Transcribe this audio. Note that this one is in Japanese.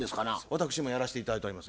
私もやらして頂いております